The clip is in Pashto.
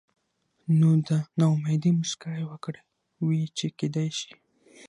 نو د نا امېدۍ مسکا يې وکړه وې چې کېدے شي